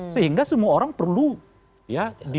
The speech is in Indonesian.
sehingga semua orang perlu ya